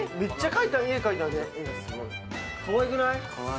かわいくない？